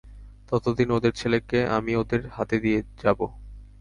ততদিন ওদের ছেলেকে আমি ওদের হাতে দিয়ে যাব।